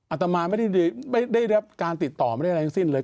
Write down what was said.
อาตมาไม่ได้รับการติดต่อไม่ได้อะไรทั้งสิ้นเลย